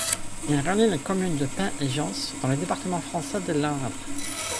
Il relie les communes de Pey et Josse, dans le département français des Landes.